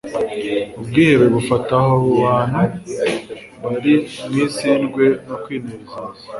ubwihebe bufata abo bantu bari mu isindwe no kwinezeza.